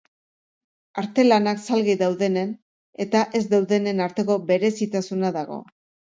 Artelanak salgai daudenen eta ez daudenen arteko berezitasuna dago.